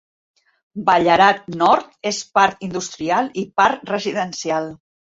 Ballarat Nord és part industrial i part residencial.